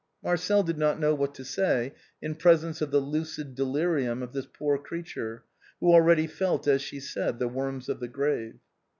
Marcel did not know what to say in presence of the lucid delirium of this poor creature, who already felt, as she said, the worms of the grave.